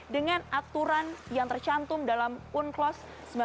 dengan aturan yang tercantum dalam unklos seribu sembilan ratus delapan puluh dua